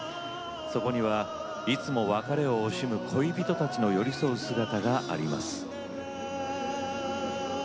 そこにはいつも別れを惜しむ恋人たちの寄り添う姿があります。